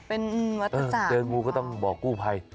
เป็นวัฒนศาสตร์ค่ะเออเดินงูก็ต้องบอกกู้ภัย